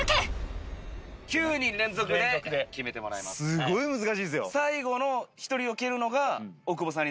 すごい難しいですよ。